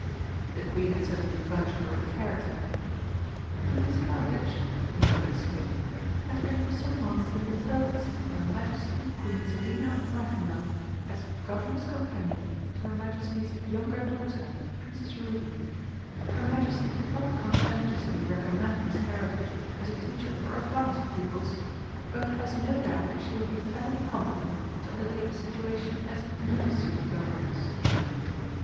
The Queen had certainly furnished her with a character; "Miss Heritage," the reference stated, "has been for some months in the service of Her Majesty Queen Selina of Märchenland as Governess companion to Her Majesty's younger daughter, Princess Ruby. Her Majesty could not conscientiously recommend Miss Heritage as a teacher for advanced pupils, but has no doubt that she would be fairly competent to undertake a situation as Nursery Governess."